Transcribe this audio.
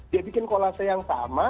dia bikin kolase yang sama